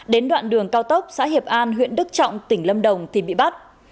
đến đoạn đường cao tốc xã hiệp an huyện đức trọng tỉnh lâm đồng thì bị bắt